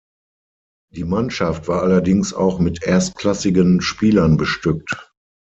Die Mannschaft war allerdings auch mit erstklassigen Spielern bestückt.